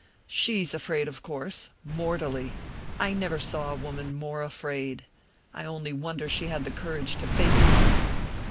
"She's afraid, of course mortally I never saw a woman more afraid. I only wonder she had the courage to face me."